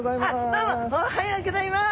どうもおはようギョざいます！